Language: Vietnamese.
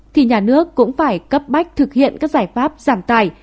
thì nhà nước cũng phải cấp bách thực hiện các giải pháp giảm tài